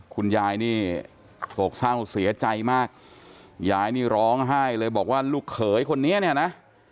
คุณยายนี่โศกเศร้าเสียใจมากยายนี่ร้องไห้เลยบอกว่าลูกเขยคนนี้เนี่ยนะ